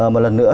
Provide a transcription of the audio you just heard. một lần nữa